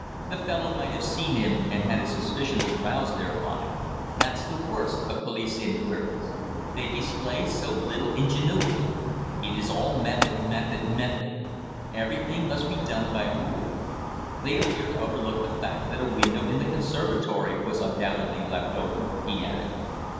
The fellow might have seen him and had his suspicions aroused thereby. That's the worst of police inquiries. They display so little ingenuity. It is all method method method. Everything must be done by rule. They appear to overlook the fact that a window in the conservatory was undoubtedly left open," he added.